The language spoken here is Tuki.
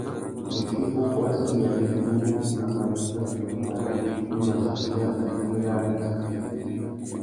Wuchí uwú a sendéyamú idjungú, a mà nuta tsôta nu mà chichia abimî râā nà issutu.